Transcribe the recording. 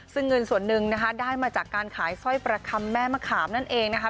ซึ่งเงินส่วนหนึ่งนะคะได้มาจากการขายสร้อยประคำแม่มะขามนั่นเองนะคะ